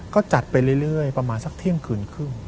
ก็จัดไปเรื่อยประมาณสักเที่ยงคืนครึ่ง